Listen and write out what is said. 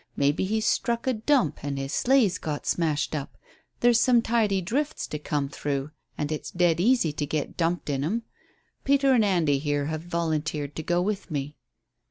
Maybe he's struck a 'dump' and his sleigh's got smashed up. There's some tidy drifts to come through, and it's dead easy to get dumped in 'em. Peter and Andy here have volunteered to go with me."